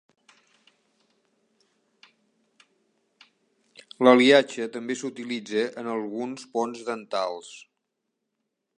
L'aliatge també s'utilitza en alguns ponts dentals.